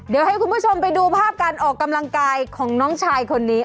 เดี๋ยวให้คุณผู้ชมไปดูภาพการออกกำลังกายของน้องชายคนนี้